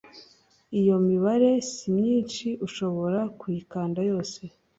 Iyo mibare simyinshi ushobora kuyikanda yose